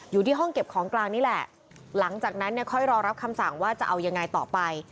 อยู่ที่ห้องเก็บของกลางนี่แหละหลังจากนั้นเนี่ยค่อยรอรับคำสั่งว่าจะเอายังไงต่อไป